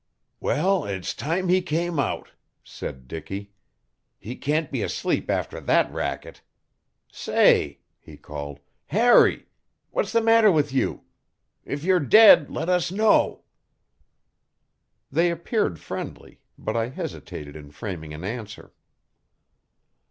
"Well, it's time he came out," said Dicky. "He can't be asleep after that racket. Say!" he called, "Harry! What's the matter with you? If you're dead let us know." They appeared friendly, but I hesitated in framing an answer.